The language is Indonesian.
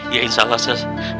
ya insya allah sus